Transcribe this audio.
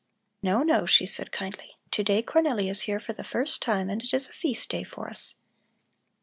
"No, no," she said kindly. "To day Cornelli is here for the first time and it is a feast day for us.